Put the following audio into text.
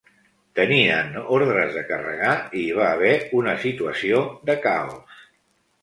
Tenien ordres de carregar i hi va haver una situació de caos.